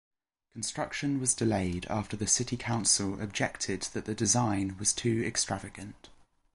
Construction was delayed after the City Council objected that the design was too extravagant.